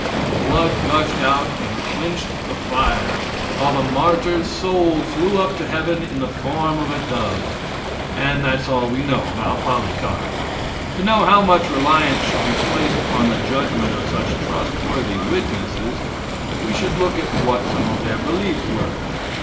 The blood gushed out and quenched the fire, while the martyr's soul flew up to heaven in the form of a dove. And that's all we know about Polycarp. To know how much reliance should be placed upon the judgment of such trustworthy witnesses, we should look at what some of their beliefs were.